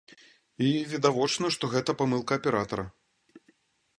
І відавочна, што гэта памылка аператара.